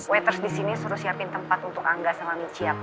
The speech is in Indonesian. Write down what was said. waiter disini suruh siapin tempat untuk angga sama michi ya pa